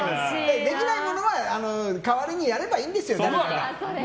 できないものは代わりにやればいいんですよ。